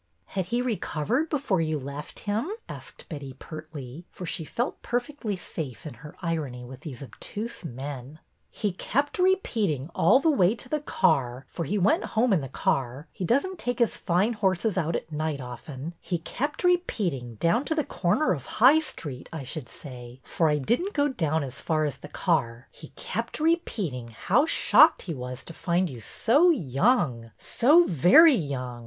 Had he recovered before you left him ?" asked Betty, pertly, for she felt perfectly safe in her irony with these obtuse men. He kept repeating all the way to the car, — for he went home in the car ; he does n't take his fine horses out at night often, — he kept repeat ing down to the corner of High Street, I should « SHOCKINGLY YOUNG'' 221 say, for I did n't go as far as the car, he kept repeating how shocked he was to find you so young, so very young.